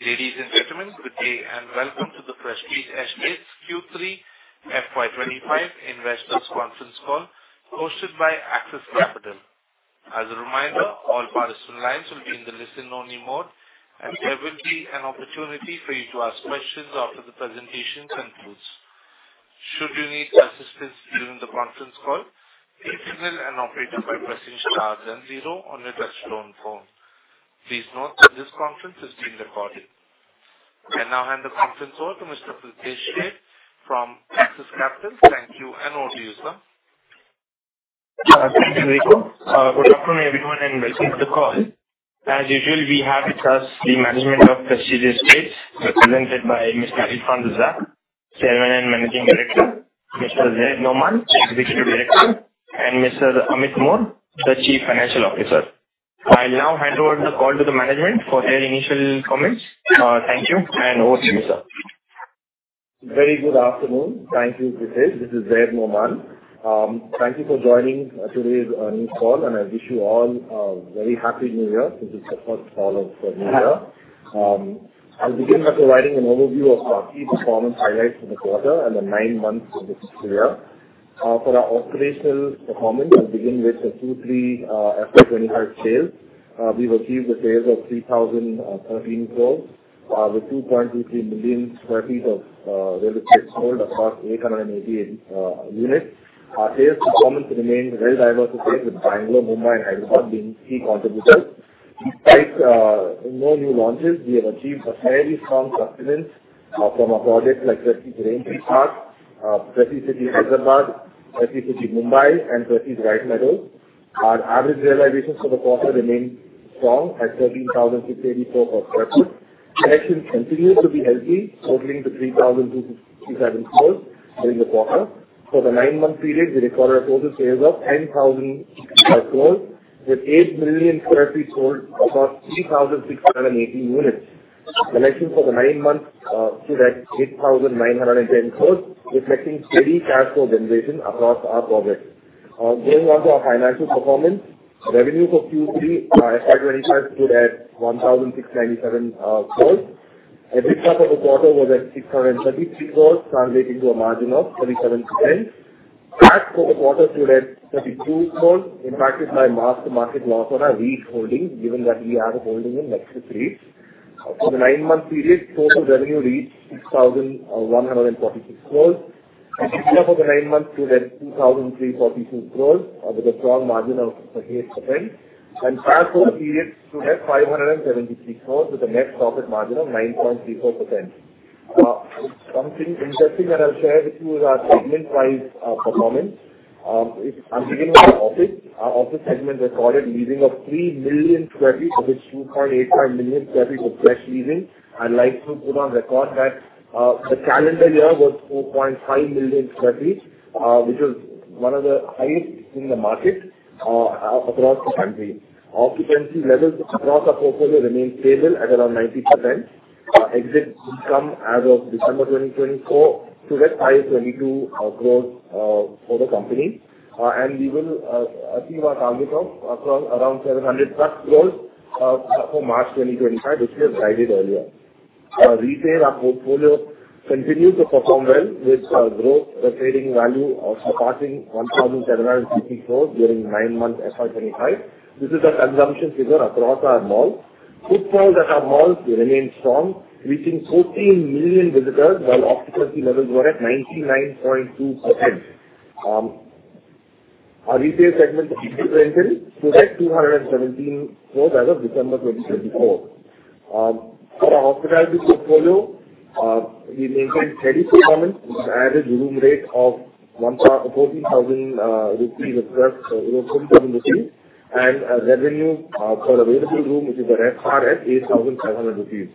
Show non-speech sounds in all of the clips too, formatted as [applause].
Ladies and gentlemen, good day and welcome to the Prestige Estates Q3 FY25 investors conference call hosted by Axis Capital. As a reminder, all participant lines will be in the listen-only mode and there will be an opportunity for you to ask questions after the presentation concludes. Should you need assistance during the conference call, please signal an operator by pressing star then zero on the touchtone phone. Please note that this conference is being recorded. And now hand the conference over to Mr. Pritesh Sheth from Axis Capital. Thank you. And over to you, sir. Thank you. Good afternoon everyone and welcome to the call. As usual, we have with us the management of Prestige Estates represented by Mr. Irfan Razack, Chairman and Managing Director, Mr. Venkat Narayana, Chief Executive Officer and Mr. Amit Mor, the Chief Financial Officer. I'll now hand over the call to the management for their initial comments. Thank you. And over to you, sir. Good afternoon. Thank you. This is Venkat Narayana. Thank you for joining today's earnings call, and I wish you all a very happy new year. Since it's the first call of the New Year, I'll begin by providing an overview of our key performance highlights for the quarter and the nine months of this fiscal year. For our operational performance, I'll begin with Q3 FY25 sales. We've achieved sales of 3,013 crores with 2.23 million sq ft of real estate sold across 880 units. Our sales performance remains well diversified with Bangalore, Mumbai and Hyderabad being key contributors. Despite no new launches, we have achieved a fairly strong traction from our projects like Prestige Raintree Park, The Prestige City Hyderabad, The Prestige City Mumbai and Prestige White Meadows. Our average realizations for the quarter remained strong at 13,684 per sq ft, sales continues to be healthy totaling to 3,267 crores during the quarter. For the nine-month period we recorded a total sales of 10,000 crores with 8 million sq ft sold across 3,618 units. Collections for the nine months stood at 8,910 crores reflecting steady cash flow generation across our projects moving on to our financial performance. Revenue for Q3 FY25 stood at 1,697 crores. EBITDA for the quarter was at 633 crores translating to a margin of 37%. Cash for the quarter stood at 32 crore impacted by mark to market loss on our equity holdings. Given that we have a holding in Nexus for the nine-month period, total revenue reached 6,146 crores. EBITDA for the nine months stood at 2,342 crores with a strong margin of 8% and PAT for the period stood at 573 crores with a net profit margin of 9.34%. Something interesting that I'll share with you is our segment-wise performance. I'll take the office. Our office segment recorded leasing of 3 million sq ft of its 2.85 million sq ft of fresh leasing. I'd like to put on record that the calendar year was 4.5 million sq ft which was one of the highest in the market across the country. Occupancy levels across our portfolio remain stable at around 90%. Rental income as of December 2024 that is 22% growth for the company and we will achieve our target of around 700-plus crores for March 2025 which we have guided earlier. Our retail portfolio continues to perform well with the growth in the trading value surpassing 1,750 crores during nine months FY25. This is a consumption figure across our malls. Footfalls at our malls remain strong, reaching 14 million visitors while occupancy levels were at 99.2%. Our retail segment differential stood at 217 crores as of December 2024. For our hospitality portfolio we maintained steady performance with an average room rate of 14,000 rupees and revenue per available room, which is the RevPAR, at INR 8,500 and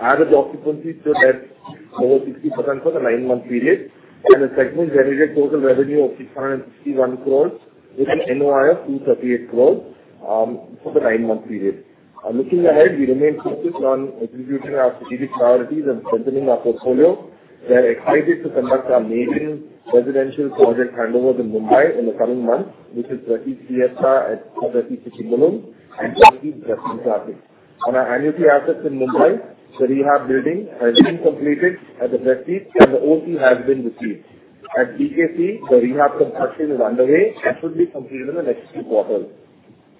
average occupancy for the nine month period and the segment generated total revenue of 661 crores with an NOI of 238 crores for the nine month period. Looking ahead, we remain focused on executing our strategic priorities and strengthening our portfolio. We are excited to conduct our major residential project handovers in Mumbai in the coming months, which is Prestige Siesta at one of our rental assets in Mumbai. The rehab building has been completed at the Prestige Jasdan Classic, and the OC has been received at BKC. The rehab construction is underway and should be completed in the next few quarters.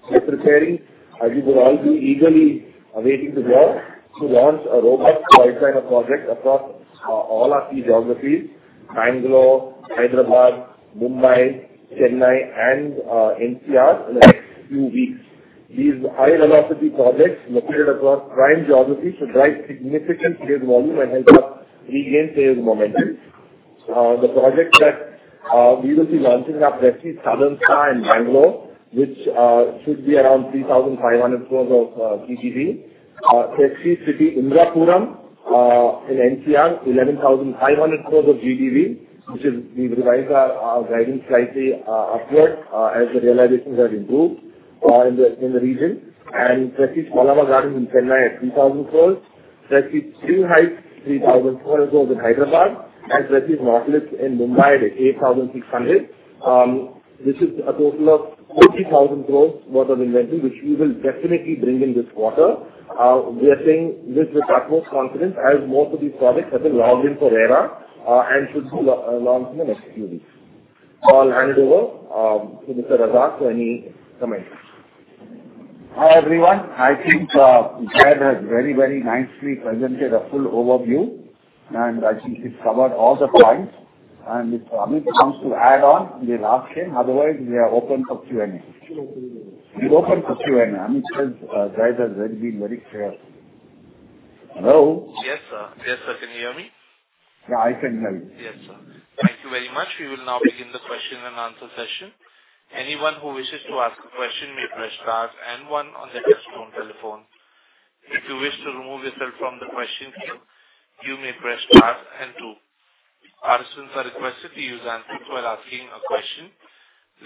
We are preparing, as you would all be eagerly awaiting the launch, a robust launch plan of projects across all our key geographies Bangalore, Hyderabad, Mumbai, Chennai and NCR in the next few weeks. These high velocity projects located across prime geographies should drive significant sales volume and help us regain sales momentum. The projects that we will be launching are Southern Star in Bangalore, which should be around 3,500 crores of GDV, Indirapuram in NCR, 11,500 crores of GDV, which is, we revised our guidance slightly upward as the realizations have improved in the region, Prestige Pallava Gardens in Chennai at 3,000 crores, Prestige Spring Heights, 3,000 crores in Hyderabad, and Prestige Nautilus in Mumbai at 8,600. This is a total of 50,000 crores worth of inventory, which we will definitely bring in this quarter. We are seeing this with utmost confidence as most of these products have been logged in for RERA and should be launched in the next few weeks. So I'll hand it over to Mr. Irfan Razack for any comments. Hi everyone. I think Venkat has very very nicely presented a full overview. I think he's covered all the points. And if Amit comes to add on, they'll ask him. Otherwise we are open for Q and A. We're open for Q and A. Amit has already been very clear, no? Yes sir. Yes sir. Can you hear me? Yeah, I can hear you. Yes sir. Thank you very much. We will now begin the question-and-answer session. Anyone who wishes to ask a question may press star and one on the touch-tone telephone. If you wish to remove yourself from the question queue you may press star and two. Participants are requested to use handsets while asking a question.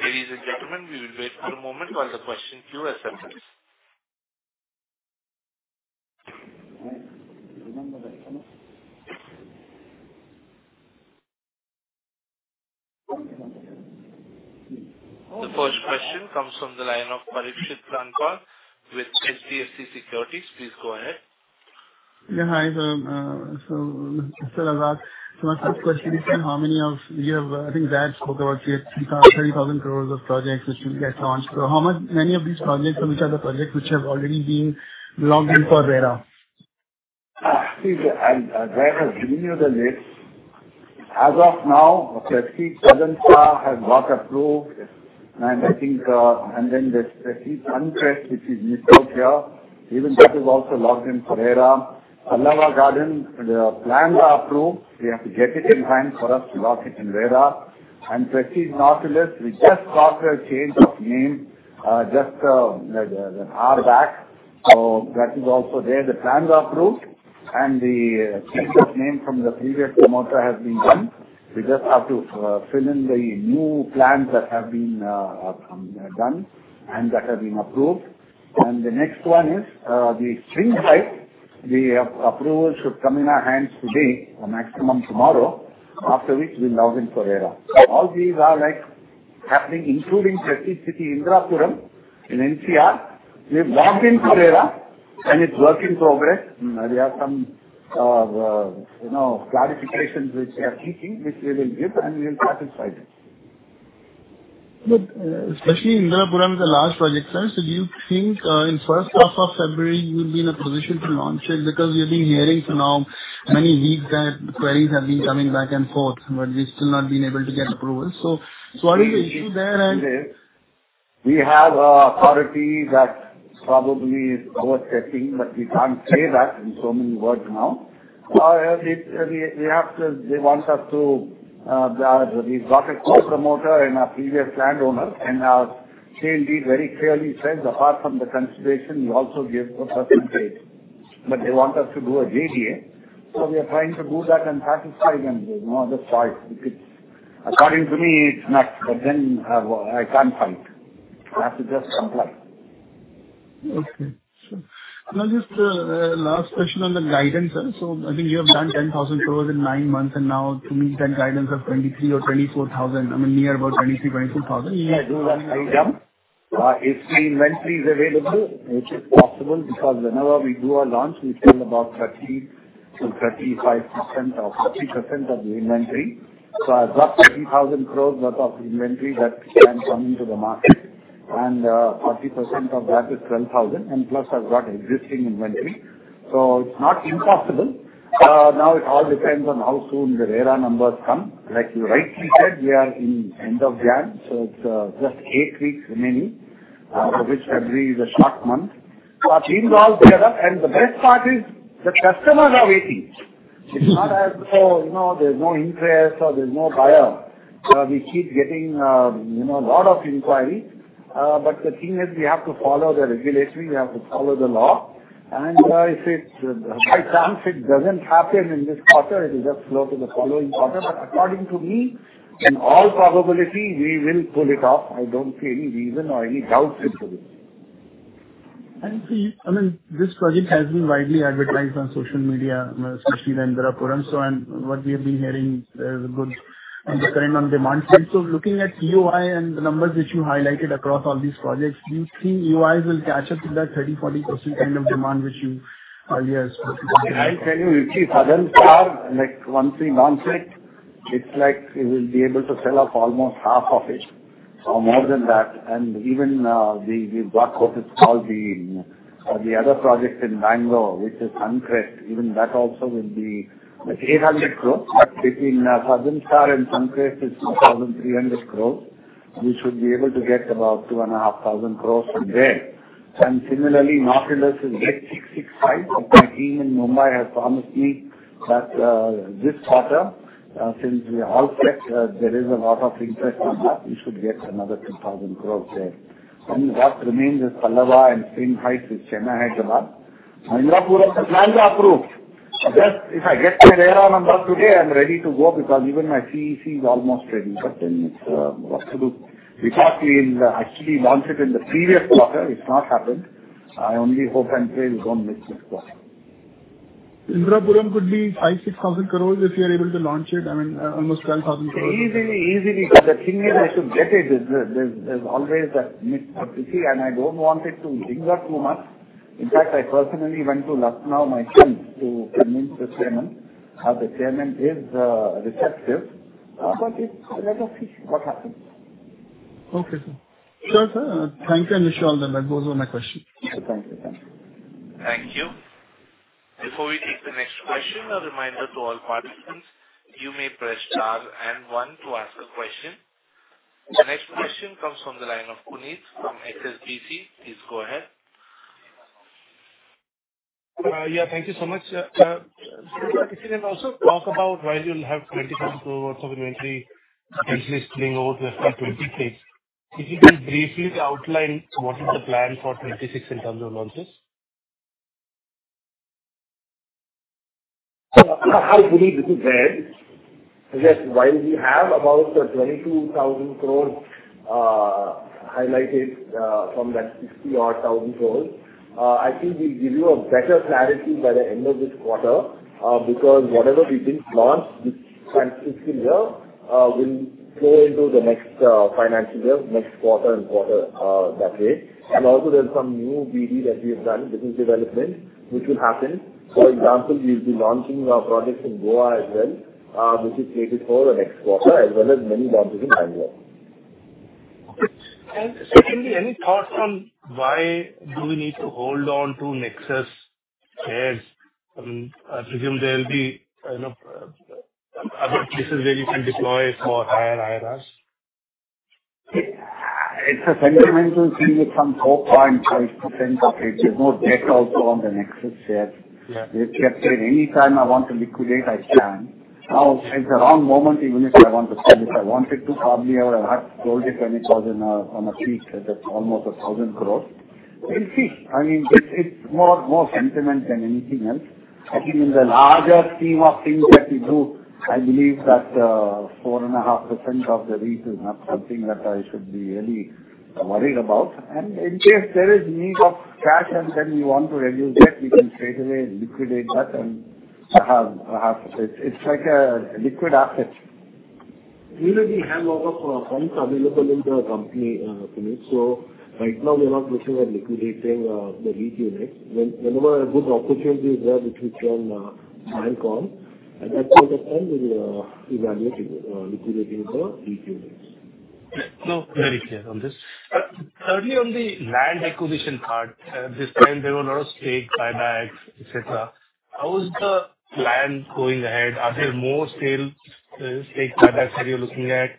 Ladies and gentlemen, we will wait for a moment while the question queue assembles. The first question comes from the line of Parikshit Kandpal with HDFC Securities. Please go ahead. Yeah. Hi. So Mr. Razack, so my first question is how many of you have. I think Venkat spoke about 30,000 crores of projects which will get launched. How many of these projects which are the projects which have already been. As of now has got approved. I think. Then Prestige Suncrest which is missed out here. Even that is also logged in for RERA. Prestige Pallava Gardens. The plans are approved. We have to get it in time for us to lock it in RERA and Prestige Nautilus. We just got a change of name just an hour back. So that is also there. The plans are approved and the name from the previous promoter has been done. We just have to fill in the new plans that have been done and that have been approved. The next one is Prestige Spring Heights. The approval should come in our hands today. The maximum tomorrow. After which we now enter for RERA. All these are like happening, including The Prestige City, Indirapuram in NCR. We've logged in for RERA and it's work in progress. We have some clarifications which they are seeking which we will give and we will satisfy them. But especially Indirapuram is the last project, sir. So do you think in first half of February you will be in a position to launch it? Because we have been hearing for now many weeks that queries have been coming back and forth but we've still not been able to get approval. So what is the issue there? And we have a party that probably is overstepping but we can't say that in so many words. Now they want us to. We've got a co-promoter and a previous landowner and very clearly says apart from the consideration we also give the percentage. But they want us to do a JDA so we are trying to do that and satisfy them. No other choice. It's, according to me, it's nuts. But then I can't fight, I have to just comply. Okay now just last question on the guidance. So I think you have done 10,000 crores in nine months and now to meet that guidance of 23,000 or 24,000. I mean near about 23,000-24,000. Yeah do run if the inventory is available which is possible because whenever we do a launch we fill about 30%-35% or 50% of the inventory. So I've got 30,000 crores worth of inventory that can come into the market and 40% of that is 12,000 and plus I've got existing inventory so it's not impossible. Now it all depends on how soon the RERA numbers come. Like you rightly said, we are at the end of January. So it's just eight weeks remaining, the short month. And the best part is the customers are waiting. It's not as though there's no interest or there's no buyer. We keep getting a lot of inquiries. But the thing is we have to follow the regulation, we have to follow the law. And if it by chance doesn't happen in this quarter it will just flow to the following quarter. But according to me in all probability we will pull it off. I don't see any reason or any doubt. I mean this project has been widely advertised on social media especially the Indirapuram. So and what we have been hearing there's a good demand. So looking at UI and the numbers that you highlighted across all these projects do you think UIs will catch up to that 30%-40% kind of demand which you earlier spoke about? I'll tell you non check it's like we'll be able to sell off almost half of it or more than that. And even we've got what is called the other project in Bangalore which is Suncrest. Even that also will be 800 crore but between 300 crore we should be able to get about 2,500 crore from there. And similarly Nautilus is net 665 crore. My team in Mumbai has promised me. But this quarter, since we all checked, there is a lot of interest on that. We should get another 2,000 crore there. And what remains is Pallava and Spring Heights is Chennai Pallavaram. The plans are approved. If I get my RERA today, I'm ready to go. Because even my EC is almost ready. But then it's what to do. We thought we'll actually launch it in the previous quarter. It's not happened. I only hope and pray we don't miss it. Indirapuram could be 56,000 crores if you are able to launch it. I mean almost 12,000 crores. Easily. Easily. But the thing is I should get it. There's always that. And I don't want it to linger too much. In fact I personally went to Lucknow, my friends to convince the chairman. How the chairman is receptive. But it's official what happens. Okay. Sure sir. Thank you all. That goes on my question. Thank you. Thank you. Before we take the next question, a reminder to all participants. You may press star and one to ask a question. The next question comes from the line of Puneet from HSBC. Please go ahead. Yeah, thank you so much. Also talk about while you'll have 20,000 crore worth of inventory spilling over to FY26. If you can briefly outline what is the plan for 26 in terms of launches. While we have about 22,000 crores highlighted from that 60-odd crore. I think we'll give you a better clarity by the end of this quarter. Because whatever we didn't launch this financial year will flow into the next financial year, next quarter and quarter that way. And also there's some new BD that we have done business development which will happen. For example, we'll be launching projects in Goa as well which is slated for the next quarter as well as many launches in Bangalore. And secondly, any thoughts on why do we need to hold on to Nexus? I presume there will be, you know, other places where you can deploy for higher IRRs. It's a sentimental thing with some 4.5% of it; there's no debt. Also on the Nexus shares they have said anytime I want to liquidate, I can. Now it's a wrong moment. Even if I want to sell, if I wanted to, probably I would have had sold it when it was in on a peak almost 1,000 crores. We'll see. I mean it's more sentiment than anything else I think in the larger theme of things that we do. I believe that 4.5% of the REIT is not something that I should be really worried about. And in case there is need of cash and then we want to reduce debt, we can straight away liquidate that. And it's like a liquid asset. We have a lot of funds available in the company. So right now we're not looking at liquidating the REIT unit. Whenever a good opportunity is there which we can bank on at that point of time we will evaluate liquidating the equity. No, very clear on this. Thirdly, on the land acquisition part this time there were a lot of stake buybacks etc. How is the plan going ahead? Are there more sales that you're looking at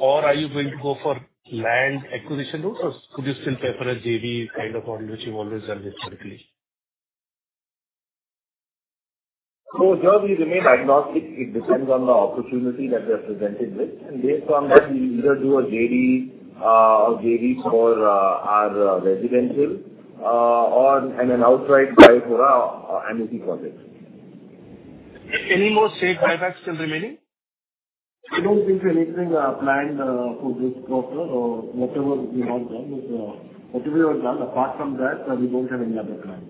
or are you going to go for land acquisition routes or could you still opt for a JV kind of model which you've always done historically. So here we remain agnostic. It depends on the opportunity that we're presented with. And based on that we either do a JDA or JV for our residential ON and an outright buy for our MOP project. Any more stake buybacks still remaining? I don't think anything planned for this quarter or whatever we have done. Whatever you have done. Apart from that, we don't have any other plans.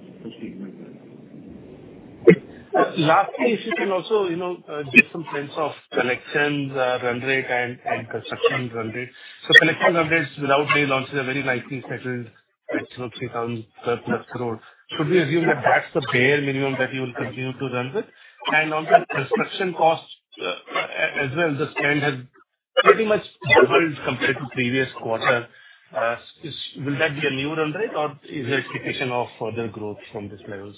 Lastly, if you can also, you know, give some sense of collections run rate and construction run rate. So, collection run rates without new launches are very nicely settled at 100 crore. Should we assume that that's the bare minimum that you will continue to run with, and on the construction cost as well? The spend has pretty much doubled compared to previous quarter. Will that be a new run rate or is the expectation of further growth from these levels?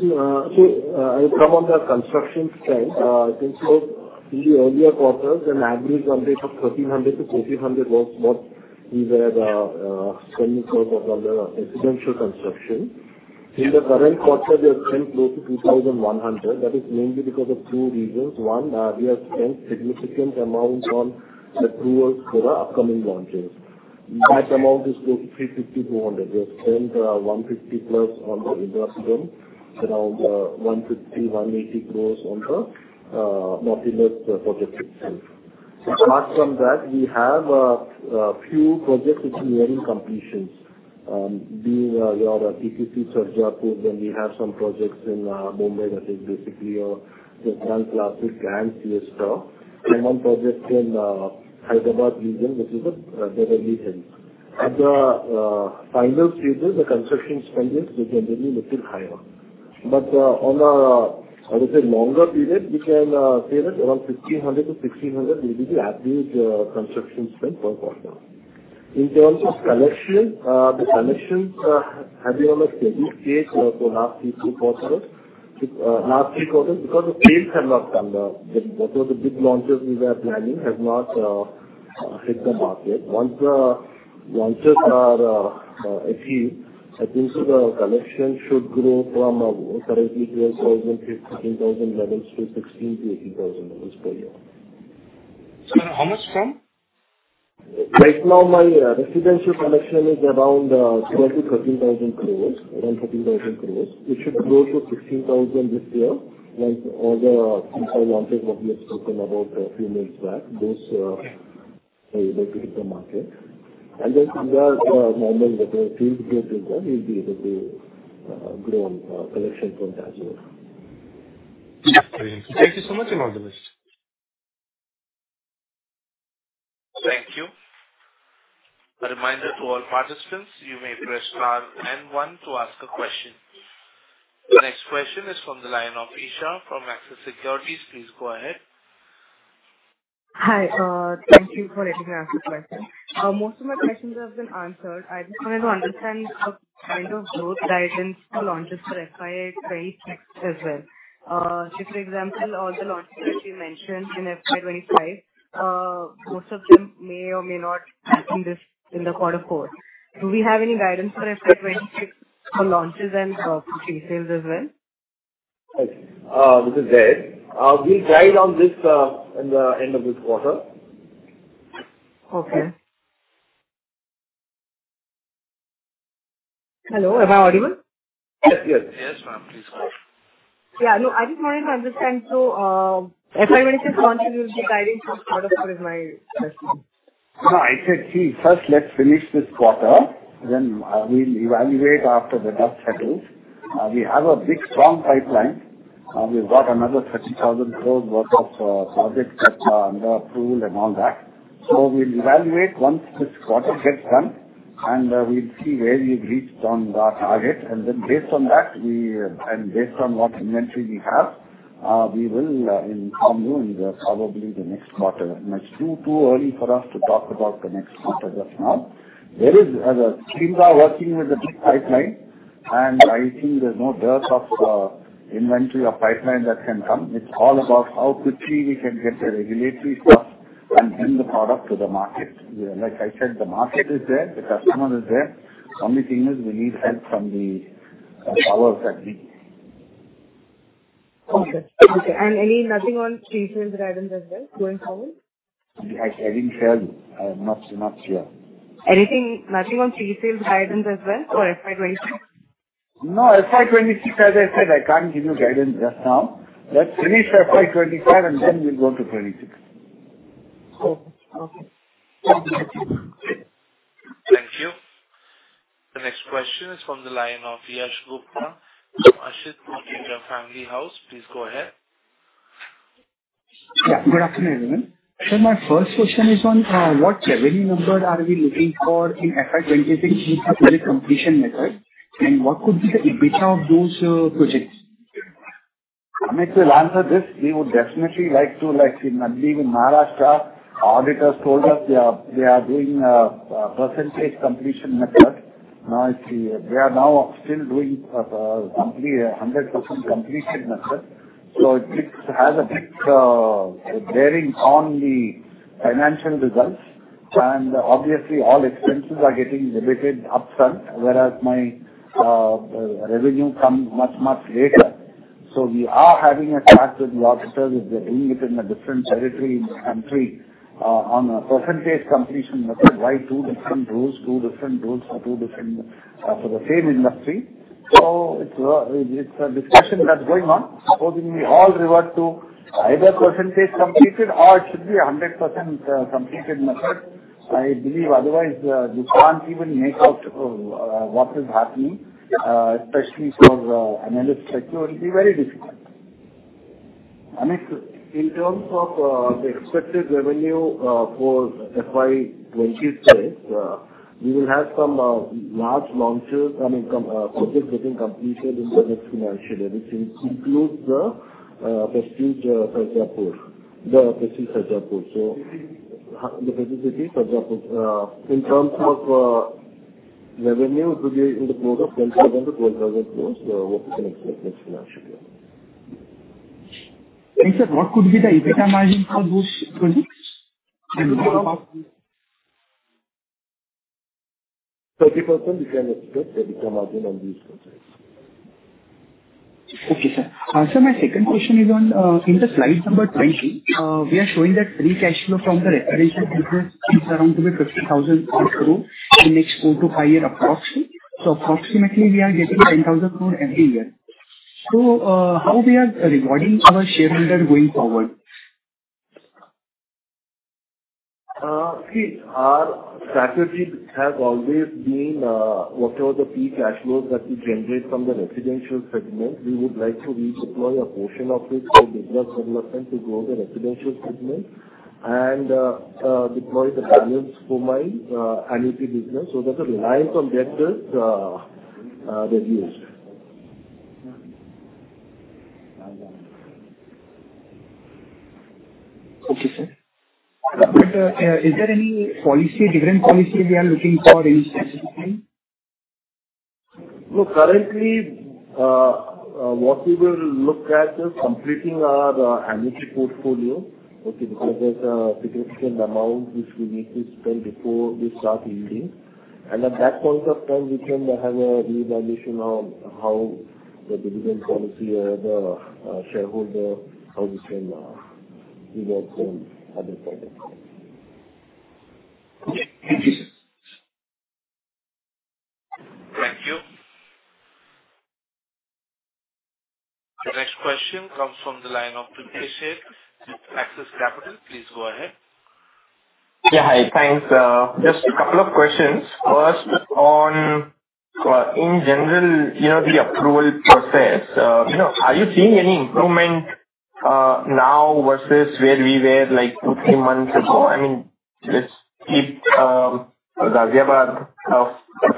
I'll come on the construction side. In the earlier quarters, an average run rate of 1,300-1,400 was we were spending, focusing on the residential construction. In the current quarter, we have spent close to 2,100. That is mainly because of two reasons. One, we have spent significant amount on the towers for our upcoming launches. That amount is close to 350-200. We have spent 150+ on the industrial around 150-180 crores on the Nautilus Hill project itself. Apart from that we have a few projects which nearing completions being your TPC. Then we have some projects in Mumbai that is basically one project in Hyderabad region which is a Beverly Hills. At the final stages the construction spending little higher. But on the longer period we can say that around 1500-1600 will be the average construction spend for a quarter. In terms of collection, the collections have been on a steady stage for last three quarters. Last three quarters because the sales have not come down. What were the big launches we were planning have not hit the market. Once this are achieve I think the collection should grow from currently 12,000-13,000 levels to 16,000-18,000 levels per year. Right now my residential collection is around 12,000-13,000 crores. Around 13,000 crores. It should grow to 16,000 this year. Like all the launches what we have spoken about a few months back those and then from there you'll be able to grow collection from that. Thank you so much and all the best. Thank you. A reminder to all participants. You may press star one to ask a question. The next question is from the line of Eesha from Axis Securities. Please go ahead. Hi. Thank you for letting me ask the question. Most of my questions have been answered. I just wanted to understand the kind of growth guidance for launches for FY26 as well. For example all the launches that you mentioned in FY25 most of them may or may not in the quarter 4. Do we have any guidance for FY26 for launches and pre sales as well? This is Venkat. We'll guide on this in the end of this quarter. Okay. Hello. Am I audible? Yes, yes ma'am. And please. Yeah, no, I just wanted to understand. So in the future as well, you'll be guiding first. Let's finish this quarter. Then we'll evaluate after the dust settles. We have a big strong pipeline. We've got another 30,000 crores worth of projects that are under approval and all that. So we'll evaluate once this quarter gets done and we'll see where we've reached on that target. And based on what inventory we have we will inform you in probably the next quarter. And it's too early for us to talk about the next quarter. Just now there are things working with the big pipeline and I think there's no dearth of inventory or pipeline that can come. It's all about how quickly we can get the regulatory stuff and bring the product to the market. Like I said, the market is there, the customer is there. Only thing is we need help from the powers that be. Okay. And anything on acquisitions and investments as well going forward. I didn't tell you. I'm not expert here. Anything? Nothing on pre-sales guidance as well. No. FY26. As I said, I can't give you guidance just now. Let's finish FY25 and then we'll go to 26. Thank you. The next question is from the line of Yash Gupta. [audio distortion] Please go ahead. Yeah. Good afternoon everyone. So my first question is on what revenue number are we looking for in FY26 completion method and what could be the EBITDA of those projects? Amit will answer this. We would definitely like to, like in Maharashtra, auditors told us they are. They are doing a percentage completion method nicely. They are now still doing 100% completed. So it has a big bearing on the financial results. And obviously all expenses are getting debited up front. Whereas my revenue comes much much later. So we are having a chat with the officers. If they're doing it in a different territory in the country on a percentage completion method, why two different rules for the same industry? So it's a discussion that's going on. Supposing we all revert to either percentage completed or it should be 100 completed method. I believe otherwise you can't even make out what is happening. Especially for analysis. It'll be very difficult. In terms of the expected revenue for FY26. We will have some large launches. I mean project getting completed in the next financial. Which includes the Prestige. The Prestige. So the. In terms of revenue it will be in the ballpark of 10,000-12,000 crores. What we can expect next financial year. What could be the EBITDA margin for those projects? Okay, sir, so my second question is on. In the slide number 20 we are showing that free cash flow from the residential business is around to be 50,000 crore in next four to five year. Approximately. So approximately we are getting 10,000 crore every year. So how we are rewarding our shareholder going forward? Our strategy has always been whatever the peak cash flows that we generate from the residential segment we would like to redeploy a portion of it for business development to grow the residential segment and deploy the balance for my annuity business so that the reliance on that is reduced. Okay. Sir, is there any policy? Different policy we are looking for specifically? No. Currently what we will look at is completing our annuity portfolio. Okay. Because there's a significant amount which we need to spend before we start using, and at that point of time we can have a revision on how the dividend policy or the shareholder housing. Okay. Thank you sir. Thank you. The next question comes from the line of Axis Capital. Please go ahead. Yeah. Hi. Thanks. Just a couple of questions first on in general, you know the approval process. You know, are you seeing any improvement now versus where we were like two, three months ago? I mean let's keep Ghaziabad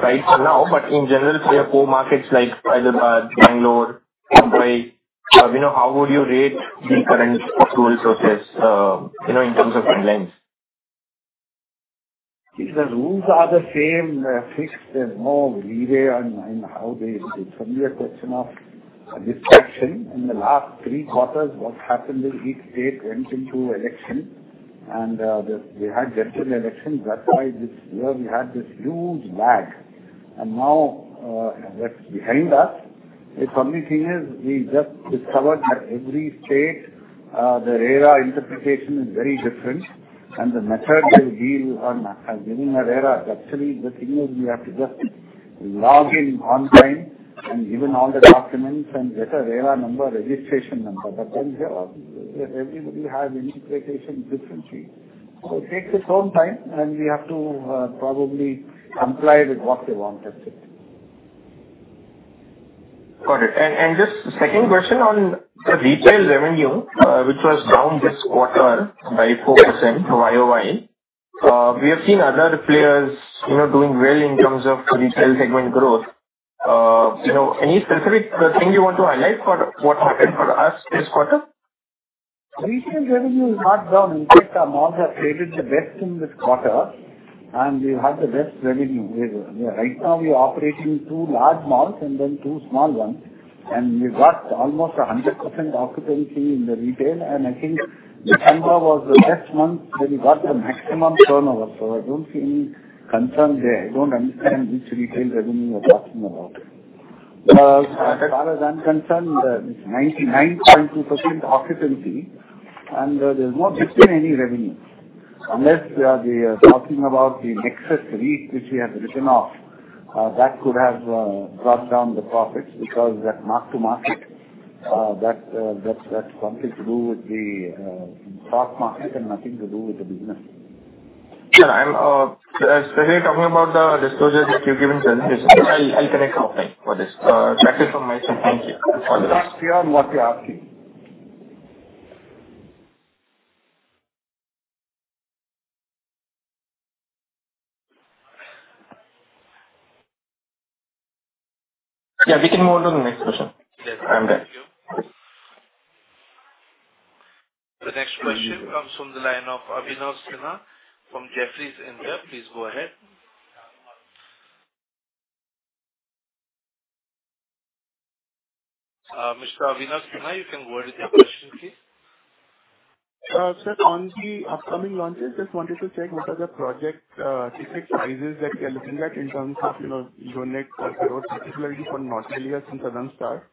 right now. But in general we have four markets like Hyderabad, Bangalore, Mumbai. How would you rate the current fuel sources, you know, in terms of trend lines? If the rules are the same, fixed, there's no leeway on how they. It's only a question of discretion. In the last three quarters, what happened is each state went into election and we had general elections. That's why this year we had this huge lag and now that's behind us. The funny thing is we just discovered that every, every state, the RERA interpretation is very different and the method they deal on giving a registration. The thing is you have to just log in on time and upload all the documents and get a RERA number, registration number. But then everybody has implications differently. So it takes its own time and we have to probably comply with what they want us to. Got it. And just second question on the retail revenue which was down this quarter by 4% YoY. We have seen other players doing well in terms of retail segment growth. Any specific thing you want to highlight for what happened for us this quarter? Retail revenue is not down. In fact, our malls have traded the best in this quarter and we had the best revenue. Right now we are operating two large malls and then two small ones and we've got almost 100% occupancy in the retail. And I think December was the best month where we got the maximum turnover. So I don't see any concern there. I don't understand which retail revenue you're talking about. As far as I'm concerned, it's 99.2% occupancy and there's not just been any revenue. Unless we are talking about the Nexus REIT which we have written off that could have brought down the profits because that mark-to-market, that's something to do with the stock market and nothing to do with the business. Talking about the disclosures that you give in presentation. I'll connect halfway for this tax information. Thank you. Yeah, we can move on to the next question. The next question comes from the line of Abhinav Sinha from Jefferies India. Please go ahead. Mr. Abhinav, you can go with your question please sir. On the upcoming launches, just wanted to check what are the project sizes that we are looking at in terms of, you know, unit, particularly for NCR and Southern Star.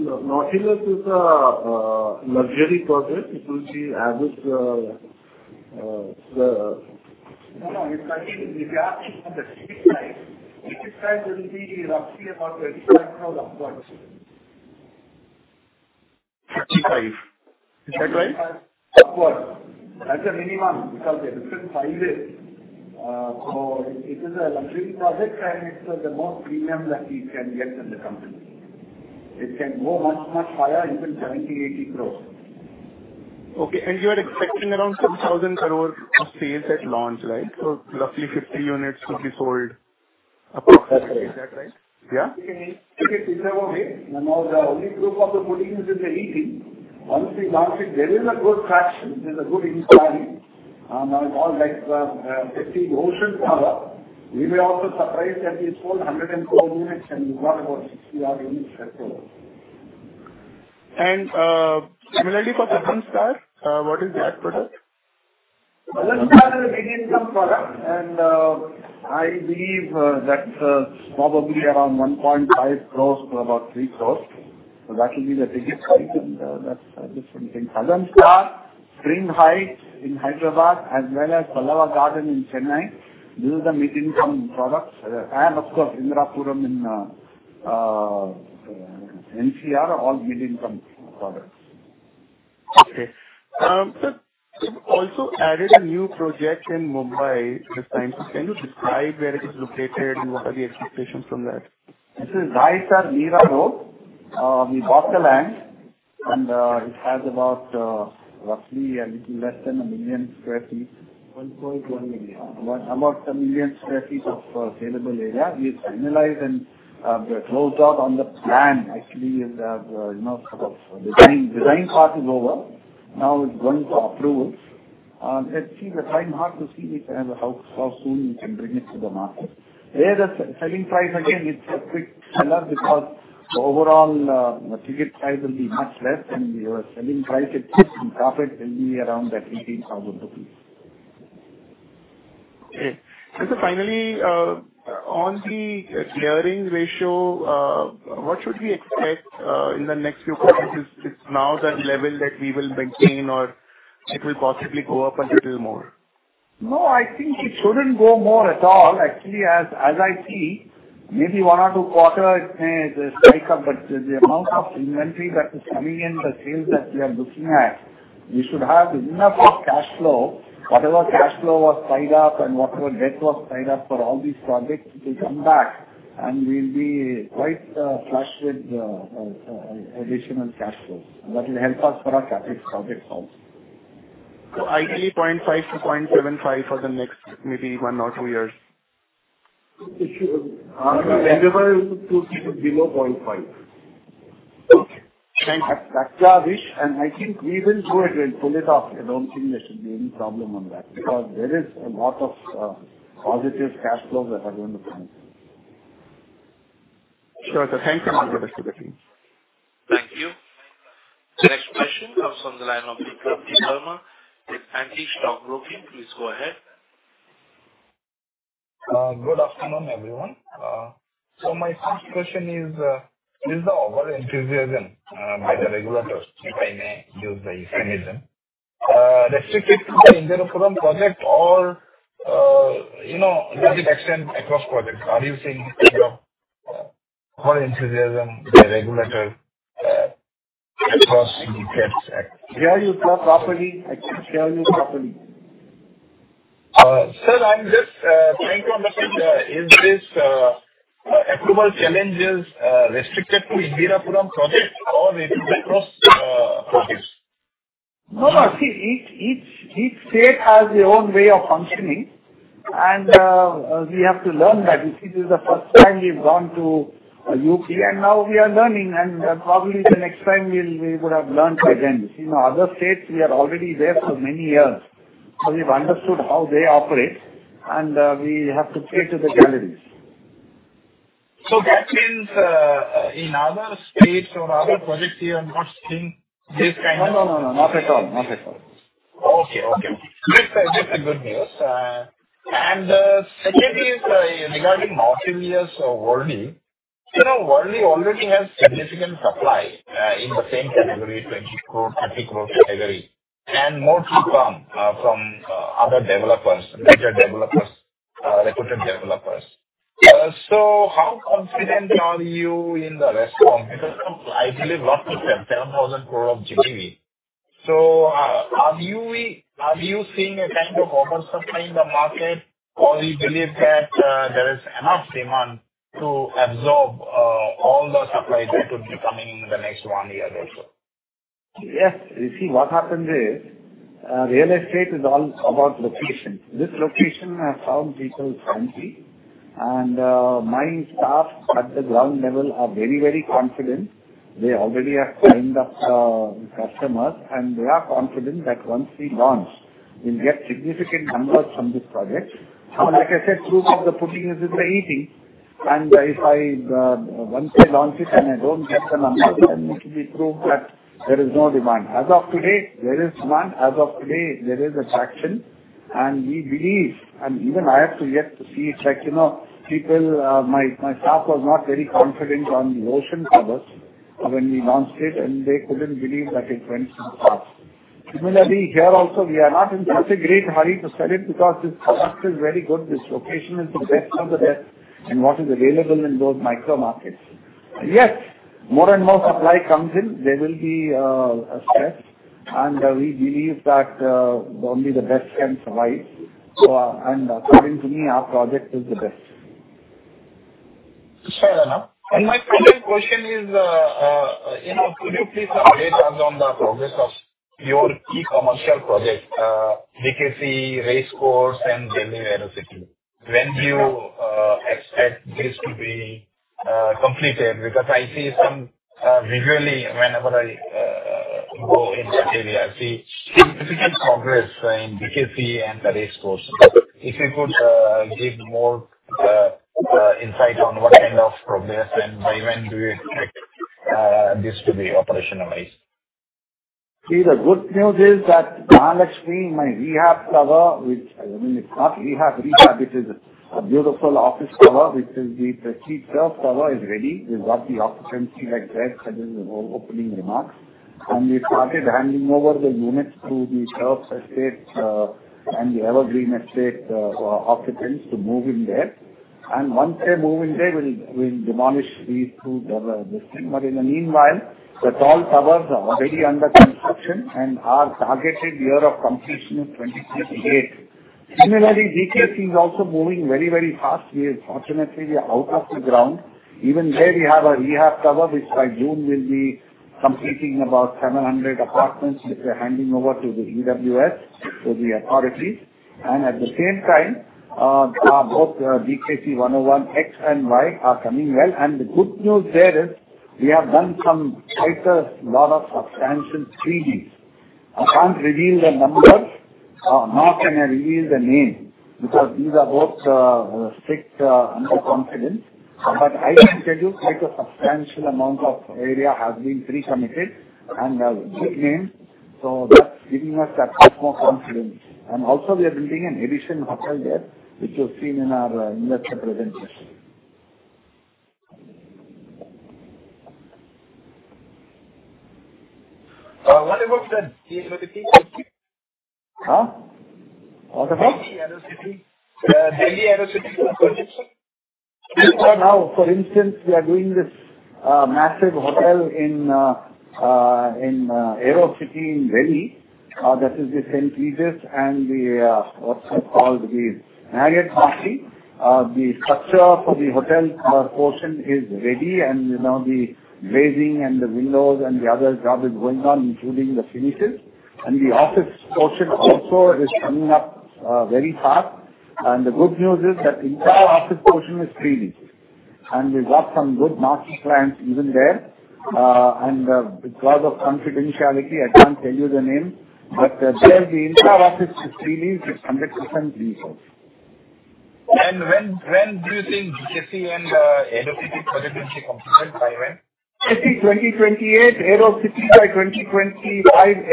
Nautilus is a luxury project, is that right? That's a minimum because the different sizes it is a luxury project and it's the most premium that you can get in the company. It can go much much higher. Even 70-80 crores. Okay. And you are expecting around 7,000 cr of sales at launch. Right. So roughly 50 units to be sold. Approx. Yeah. The only proof of the pudding is eating once we launch it. There is a good traction, there's a good absorption. We were also surprised that we sold 112 units and we got about INR 60 Cr. And similarly for Southern Star, what is that product? Southern Star is a mid-segment product and I believe that probably around 1.5-3 crores. So that will be the ticket size for. That's different things. Southern Star, Spring Heights in Hyderabad as well as Pallava Gardens in Chennai. This is the mid income products and of course Indirapuram in NCR. All mid income products. Okay. So you also added a new project in Mumbai this time can you describe where it is located and what are the expectations from that? This is. We bought the land and it has about roughly a little less than a million sq ft. About a million sq ft of available area. We have finalized and closed out on the plan. Actually design part is over now it's going for approval. Let's see the timeline. How soon you can bring it to the market where the selling price again is a quick seller because overall ticket price will be much less and your selling price will be around that 18,000 rupees. Okay finally on the clearing ratio what should we expect in the next few quarters? It's now the level that we will maintain or it will possibly go up a little more. No, I think it shouldn't go more at all actually as I see maybe one or two quarters may come but the amount of inventory that is coming in the sales that we are looking at we should have enough of cash flow, whatever cash flow was tied up and whatever debt was tied up for all these projects to come back. And we'll be quite flush with additional cash flows that will help us for our CapEx projects also ideally 0.5-0.75 for the next maybe one or two years. And I think we will do it. We'll pull it off. I don't think there should be any problem on that because there is a lot of positive cash flow that are going to the. Sure. Thank you to the team. Thank you. Next question comes from the line of Debbarma Antique Stock Broking. Please go ahead. Good afternoon everyone. So my first question is, is the over enthusiasm by the regulators—if I may use the term—restricted to the Indirapuram project or, you know, does it extend across projects? Are you seeing enthusiasm the regulator? Sir, I'm just trying to understand, is this approval challenges restricted to Indirapuram project or it is across? No. See, each state has their own way of functioning. And we have to learn that. This is the first time we've gone to UP and now we are learning and probably the next time we would have learned by then. Other states we are already there for many years, we have understood how they operate and we have to play to the galleries. So that means in other states or other projects. You have not seen this kind of. No, no, no. Not at all. Not at all. Okay. Okay, good news. And the second is regarding Worli. You know Worli already has significant supply in the same category, 20 crore, 30 crore category and more to come from other developers, major reputed developers. So how confident are you in the absorption? Because I believe up to 7,000 crore of GDV. So are you seeing a kind of oversupply in the market or you believe that there is enough demand to absorb all the supply that would be coming in the next one year or so? Yes. You see what happens is real estate is all about location. This location is footfall friendly and my staff at the ground level are very very confident. They already have signed up customers and they are confident that once we launch we'll get significant numbers from this project. Like I said, proof of the pudding is in the eating. And if I once they launch it and I don't get the numbers and it will be proved that there is no demand as of today there is demand as of today there is attraction and we believe and even I have to yet see. You know people, my staff was not very confident on the Ocean Towers when we launched it and they couldn't believe that it went so fast. Similarly here also we are not in such a great hurry to sell it because this product is very good. This location is the best of the best. And what is available in those micro markets. Yes, more and more supply comes in. There will be stress, and we believe that only the best can survive, and according to me our project is the best. My question is, you know, could you please update us on the progress of your key commercial project BKC, racecourse, and Delhi. When do you expect this to be completed? Because I see some visually whenever I go in that area see progress in BKC and race course. If you could give more insight on what kind of progress and by when do you expect this to be operationalized? See, the good news is that I'm actually in my rehab tower which it's not rehab rehab. It is a beautiful office tower which is the Prestige tower is ready. We've got the occupancy like opening remarks and it started handing over the units to the Turf Estate and the Evergreen Estate occupants to move in there and once they move in they will demolish these two tenements, but in the meanwhile the tall towers are already under construction and our targeted year of completion is 2028. Similarly BKC is also moving very very fast. We fortunately out of the ground even there we have EWS cover which by June will be completing about 700 apartments which we're handing over to the EWS to the authorities, and at the same time both BKC 101 X and Y are coming well and the good news there is we have done some quite a lot of substantial JD. I can't reveal the numbers nor can I reveal the name because these are both strictly confidential. But I can tell you quite a substantial amount of area has been pre-committed and so that's giving us that much more confidence. And also we are building an additional hotel there which you've seen in our Investor Presentation. Now for instance we are doing this massive hotel in Aerocity in Delhi that is the St. Regis and the Marriott. The structure for the hotel portion is ready and now the painting and the windows and the other jobs are going on including the finishes and the office portion also is coming up very fast. And the good news is that entire office portion is nearly leased and we've got some good anchor tenants even there and because of confidentiality I can't tell you the name but there the entire office is leasing; it's 100% leased out. And when. When do you think BKC and Aerocity by 2025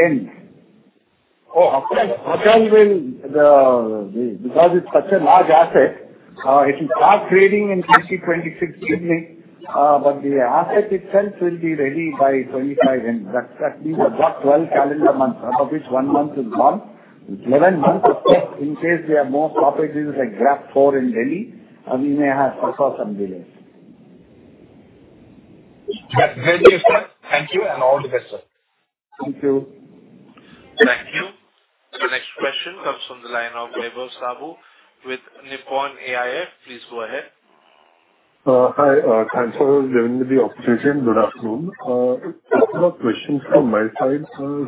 end our hotel will it be because it's such a large asset it will start trading in 2026, but the asset itself will be ready by 25. That means I've got 12 calendar months out of which one month is gone. 11 months to check in case there are more topics this is Aerocity in Delhi we may have some delays. Thank you and all the best sir. Thank you. Thank you. The next question comes from the line of with Nippon India Mutual Fund. Please go ahead. Hi thanks for giving me the opportunity and good afternoon questions from my side. You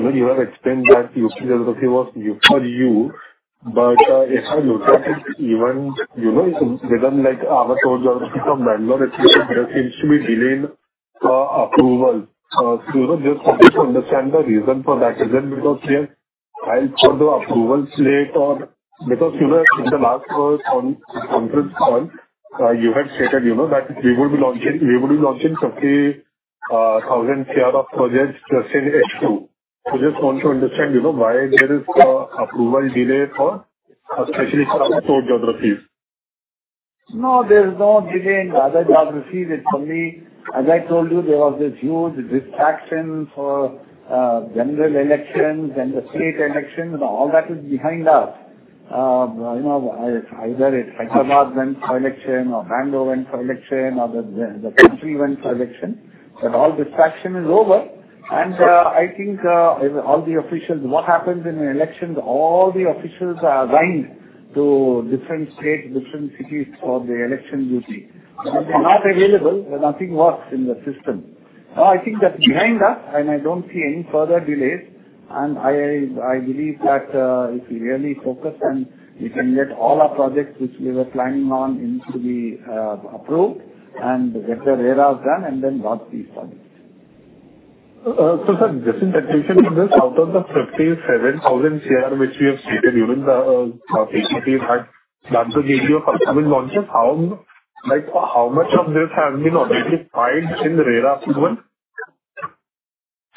know you have explained that NCR geography was new for you but if I look at it even you know it's written like target geography from Bangalore. There seems to be delay in approval. Just wanted to understand the reason for that. Is it because? Yes, I'll put the approvals later because you know in the last conference call you had stated you know that we will be launching. We will be launching, okay, 10,000 crore projects just in H2. So just want to understand you know why there is an approval delay for. Especially for geographies. No, there is no delay in the other geographies. It's only as I told you there was this huge distraction for general elections and the state elections. All that is behind us. You know either the election or Bangalore went for election or the country went for election but all distraction is over and I think all the officials what happens in elections all the officials are assigned to different states, different cities for the election duty not available. Nothing works in the system. I think that behind us and I don't see any further delays and I believe that if we really focus and we can get all our projects which we were planning on into be approved and get the RERA done and then launch these. So sir, just in this, out of the 57,000 crores which we have stated during the launches, how like how much of this has been already filed in RERA?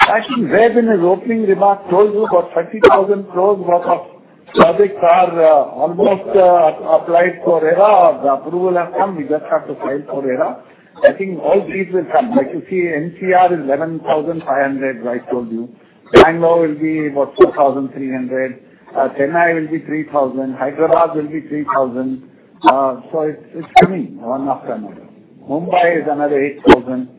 I think Irfan in his opening remark told you about 30,000 crores worth of projects are almost applied for RERA or the approval has come. We just have to file for RERA. I think all these will come like you see NCR is 11,500. I told you Bangalore will be about 4,300, Chennai will be 3,000, Hyderabad will be 3,000. So it's for me Mumbai is another 8,000.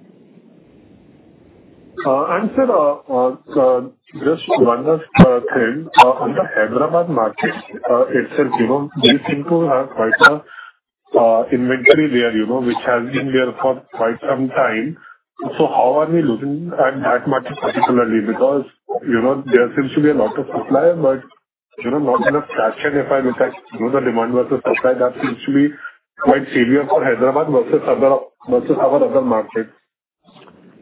Just one thing on the Hyderabad market itself, you know we think we have quite a inventory there, you know which has been there for quite some time. So how are we looking at that market particularly because you know there seems to be a lot of supply but you know not enough traction. If I do the demand versus supply that seems to be quite severe for Hyderabad versus other versus other markets.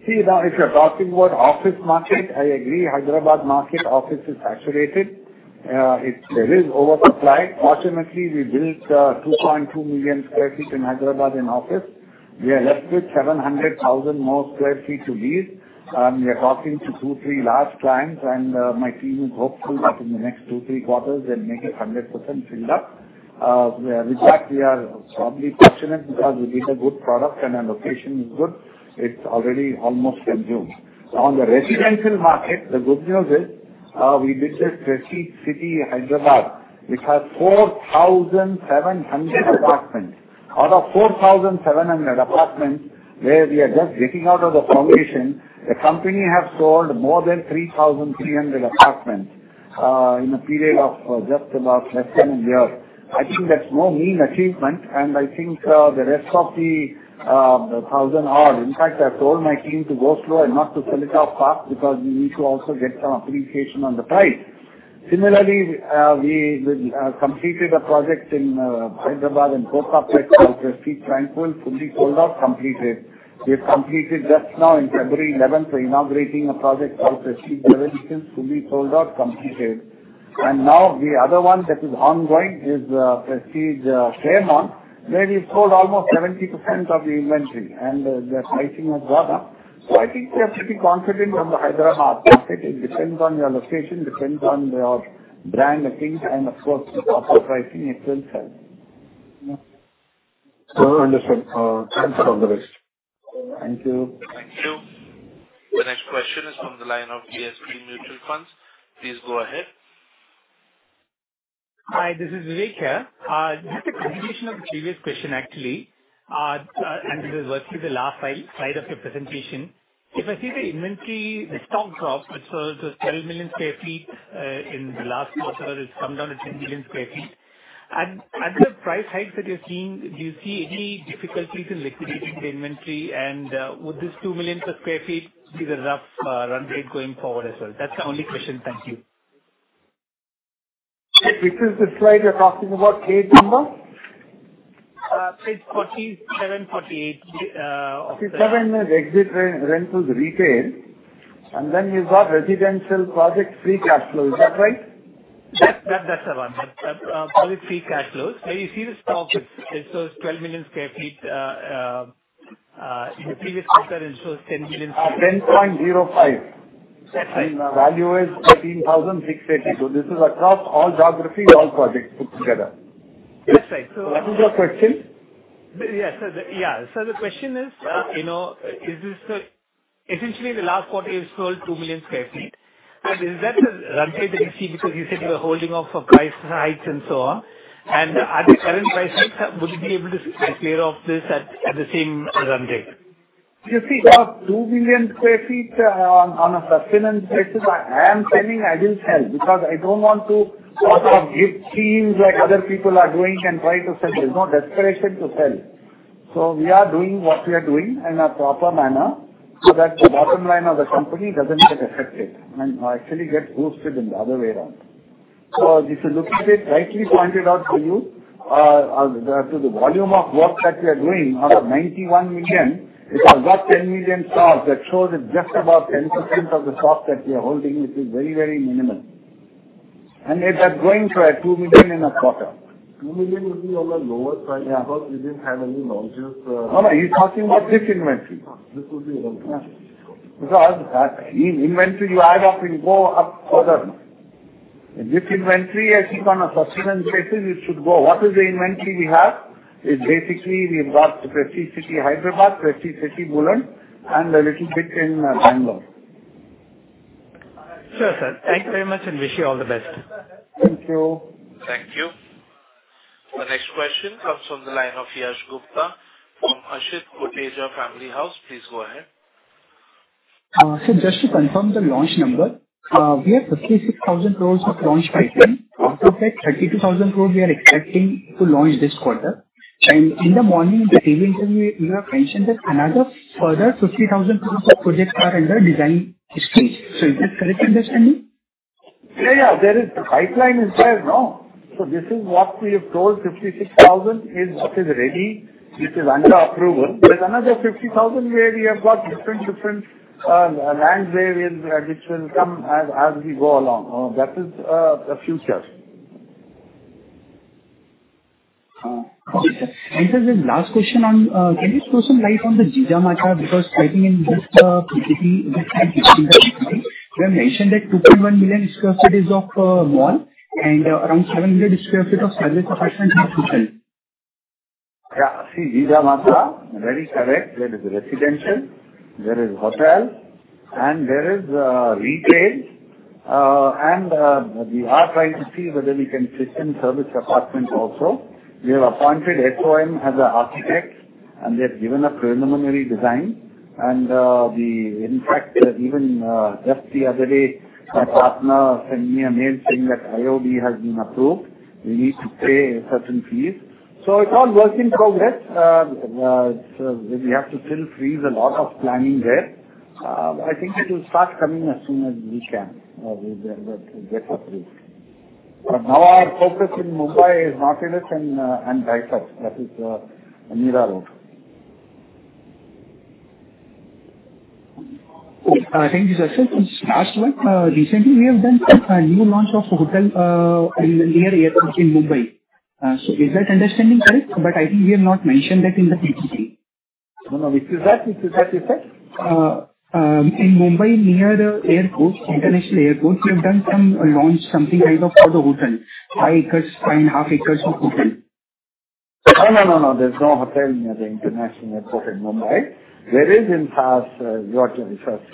See now if you're talking about office market I agree Hyderabad market office is saturated. It is oversupply. Fortunately we built 2.2 million sq ft in Hyderabad. In office we are left with 700,000 more sq ft to lease. We are talking to two, three large clients and my team is hopeful that in the next two-three quarters and make it 100% filled up with that. We are strongly fortunate because we did a good product and our location is good. It's already almost consumed on the residential market. The good news is we did this city Hyderabad, which has 4,700 apartments out of 4,700 apartments where we are just getting out of the formation. The company has have sold more than 3,300 apartments in a period of just about less than a year. I think that's no mean achievement and I think the rest of the thousand odd. In fact I've told my team to go slow and not to sell it off park because we need to also get some appreciation on the price. Similarly, we completed a project in Hyderabad in sold out completed. We completed just now in February 11th inaugurating a project called Prestige Beverly Hills to be sold out completed. Now the other one that is ongoing is Prestige Clairemont where we sold almost 70% of the inventory and their pricing has gone up. So I think we are pretty confident on the Hyderabad. It depends on your location, depends on your brand and of course price in April 3rd. Understood. Thanks for all the rest. Thank you. Thank you. The next question is from the line of DSP Mutual Fund. Please go ahead. Hi, this is Vivek here. Just a continuation of the previous question actually and this is virtually the last slide of your presentation. If I see the inventory, the stock drops, which is 12 million sq ft in the last quarter it's come down to 10 million sq ft. And at the price hikes that you're seeing, do you see any difficulties in liquidating the inventory? Would this 2 million sq ft be the rough run rate going forward as well? That's the only question. Thank you. Which is the slide you're talking about? Slide number page 47, 48, exits, rentals, retail and then you got residential projects free cash flow, is that right? That's the one, project free cash flows where you see the stock, it shows 12 million sq ft in the previous quarter. It shows 10 million sq ft, 10.05 and the value is 13,680. So this is across all geographies, all projects put together. That's right. So that was your question. Yes. Yeah. So the question is, you know, is this essentially the last quarter you sold 2 million sq ft. Is that the run rate that you see? Because you said you were holding off price hikes and so on and at the current price hikes, would you be able to clear off this at the same run rate? You see about 2 billion sq ft on a sustained basis. I am selling, I will sell because I don't want to dump some inventory, things like other people are doing and try to sell. There's no desperation to sell. So we are doing what we are doing in a proper manner so that the bottom line of the company doesn't get affected and actually get boosted in the other way around. So if you look at it as you rightly pointed out, the volume of work that we are doing out of 91 million sq ft, it has got 10 million sq ft. That shows it's just about 10% of the stock that we have own holding which is very, very minimal and end up going for 2 million in a quarter because we didn't have any launches. You're talking about this inventory because inventory you add up and go up further. This inventory I think on a standalone basis it should go. What is the inventory we have is basically we've got Hyderabad City, Mulund and a little bit in Bangalore. Sure sir. Thank you very much and wish you all the best. Thank you. Thank you. The next question comes from the line of Yash Gupta from Ashit Koticha Family Office. Please go ahead. So just to confirm the launch number we have 56,000 crores of launch pipeline. Out of that 32,000 crores we are expecting to launch this quarter. In the morning in the TV interview you have mentioned that another further 50,000 projects are under design stage. Is that correct understanding? Yeah, yeah. There is the pipeline, is there? No. This is what we have told. 56,000 is what is ready which is under approval with another 50,000 where we have got different land parcels which will come as we go along. That is a few, sir. Last question on. Can you shed some light on the Jijamata Nagar because the thing is in this we mentioned that 2.1 million sq ft of mall and around 700,000 sq ft of serviced. Yeah, see these are very correct. There is residential, there is hotel and there is retail. We are trying to see whether we can fit in service apartments. Also, we have appointed SOM as an architect, and they have given a preliminary design. In fact, even just the other day, my partner sent me a mail saying that IOD has been approved. We need to pay certain fees. So it's all work in progress. We have to still freeze a lot of planning there. I think it will start coming as soon as we can get approved. But now our focus in Mumbai is Nautilus and Daffodils. That is. Last one. Recently, we have done a new launch of hotel and near airport in Mumbai. So is that understanding correct? But I think we have not mentioned that in the pipeline in Mumbai near airport International Airport. We have done some launch something kind of for the hotel. Five acres, five and a half acres. No, no, no, no. There's no hotel near the international airport in Mumbai. Whereas in Sahar you are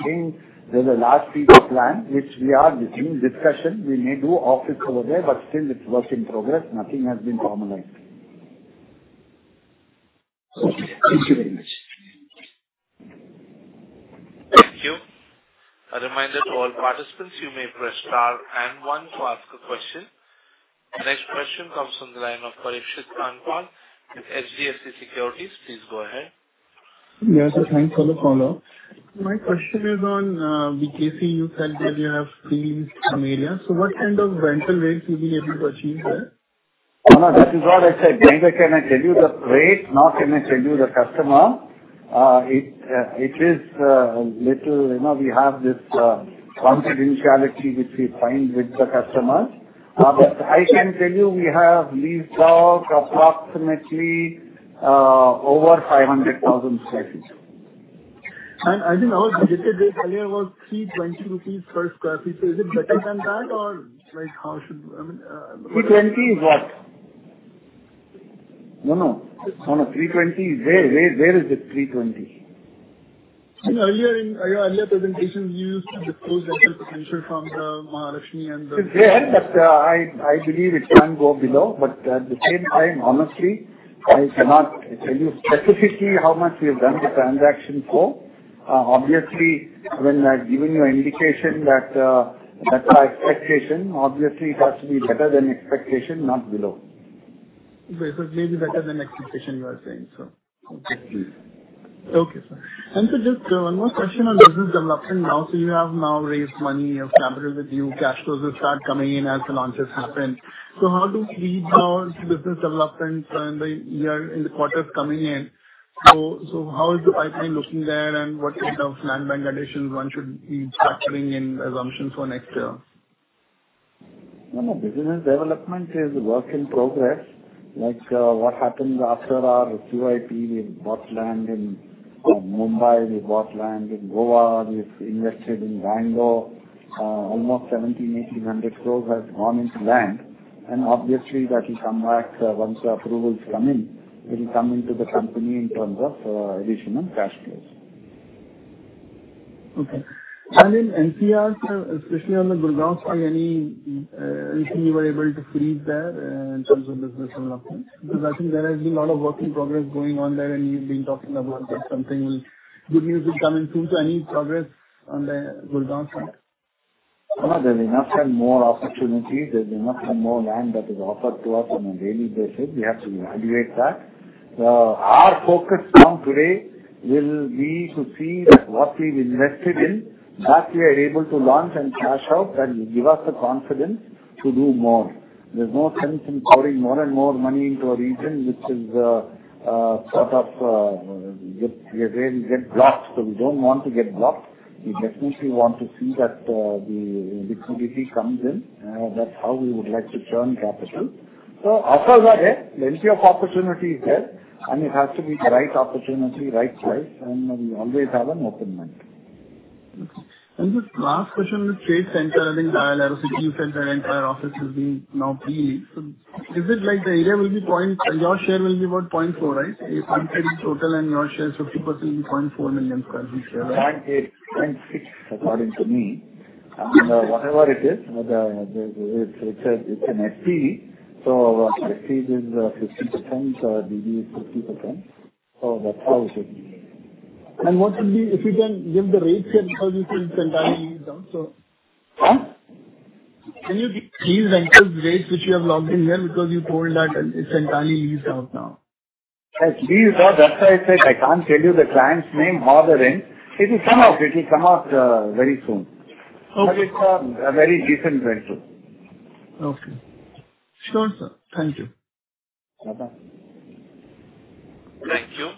seeing there's a large future plan which we are designing in discussion. We may do office over there. But still it's work in progress. Nothing has been formalized. Thank you very much. Thank you. A reminder to all participants. You may press star and one to ask a question. Next question comes from the line of Parikshit Kandpal with HDFC Securities. Please go ahead. Thanks for the follow-up. My question is on BKC. You said that you have leased some areas. So what kind of rental rates you've been able to achieve there? That is what I said. I can't tell you the rate nor can I tell you the customer. It is, you know, a little. We have this confidentiality which we sign with the customers. But I can tell you we have leased approximately over 500,000 sq ft. I think earlier was 320 rupees per sq ft. So is it better than that or like how should I? 320 is what? No, no. 320. Where is it? 320 earlier in your earlier presentations used to be the potential from Maharashtra. But I believe it can go below. But at the same time honestly I cannot tell you specifically how much we have done the transaction for. Obviously when I've given you an indication that expectation, obviously it has to be better than expectation not below. So it may be better than expectation. You are saying so. Okay. Just one more question on business development now. So you have now raised capital. Cash flows will start coming in as the launches happen. How do we business development in the quarters coming in. So how is the pipeline looking there and what kind of land bank additions one should be factoring in assumptions for next year. Business development is work in progress. Like what happens after our QIP with BKC land in Mumbai. We bought land in Goa. We've invested in Bangalore. Almost 1,700 crores have gone into land. And obviously that will come back once the approvals come in. It will come into the company in terms of additional cash flows. Okay. And in NCR especially on the Gurgaon, anything you were able to freeze there? In terms of business similar point. There has been a lot of work in progress going on there. And you've been talking about something. Good news will come in soon. So any progress on the JDA? There's enough and more opportunities. There's enough and more land that is offered to us on a daily basis. We have to evaluate that. Our focus now today will be to see that what we've invested in that we are able to launch and cash out and give us the confidence to do more. There's no sense in pouring more and more money into a region which is sort of getting blocked. So we don't want to get blocked. We definitely want to see that the liquidity comes in. That's how we would like to churn capital. So offers are there, plenty of opportunities there, and it has to be the right opportunity, right price, and we always have an open door policy. Okay and the last question the Trade Center I think you said that entire office is being now pre-leased so is it like the area will be point four your share will be about 0.4 right total and your share 50% 4 million sq ft share according to me and whatever it is it it's an SP so is 50% or DDA is 50% so that's how and what would be if you can give the rates here because you entirely down so can you please rental rates which you have locked in here because you told that it's entirely leased out now that's why I said I can't tell you the client's name or the rent. It will come out. It will come out very soon but it's a very decent rental. Okay. You sure sir? Thank you. Bye-bye. Thank you.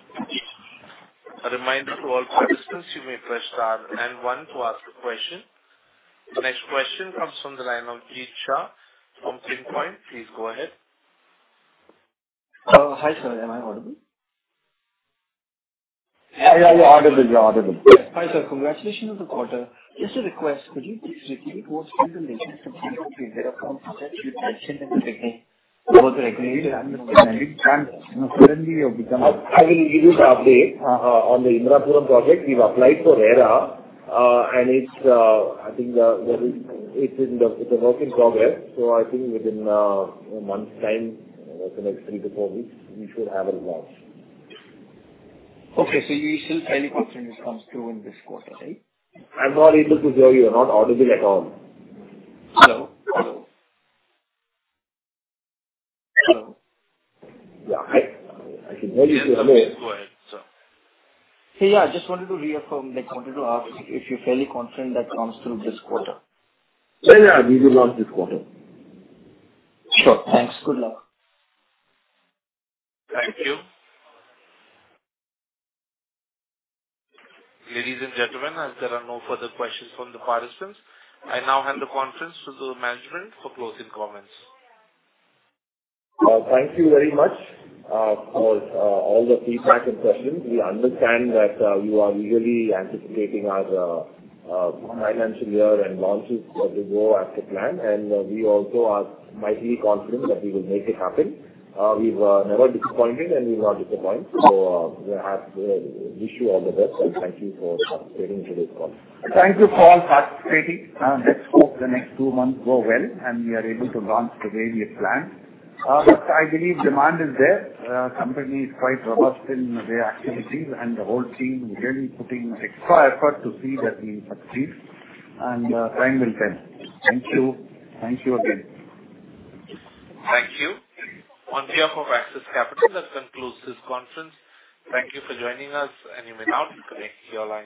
A reminder to all, for questions you may press star and one to ask a question. The next question comes from the line of [Girish] from Pinpoint. Please go ahead. Hi sir. Am I audible? You're audible. Hi sir. Congratulations on the quarter. Just a request, could you please repeat what. I will give you the update on the Indirapuram project. We've applied for RERA and it's, I think, in the work in progress so I think within a month's time, the next three to four weeks we should have a launch. Okay so you still fairly confident it comes through in this quarter, right? I'm not able to hear you, you are not audible at home. Hello? Hey. Yeah, I just wanted to reaffirm that, wanted to ask if you're fairly confident that comes through this quarter, we will launch this quarter. Sure. Thanks. Good luck. Thank you. Ladies and gentlemen, as there are no further questions from the participants, I now hand the conference to the management for closing comments. Thank you very much for all the feedback and questions. We understand that you are really anticipating our financial year and launches to go as per plan, and we also are mightily confident that we will make it happen. We were never disappointed, and we will not disappoint. So we wish you all the best, and thank you for participating in today's call. Thank you all for participating. Let's hope the next two months go well and we are able to launch the various plans. But I believe demand is there. The company is quite robust in their activities, and the whole team really putting extra effort to see that we succeed, and time will tell. Thank you. Thank you again. Thank you on behalf of Axis Capital. That concludes this conference. Thank you for joining us. And you may now disconnect your lines.